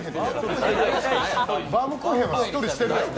バウムクーヘンはしっとりしてるよ。